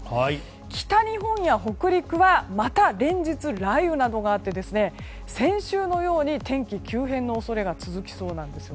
北日本や北陸はまた連日雷雨などがあって先週のように天気急変の恐れが続きそうなんです。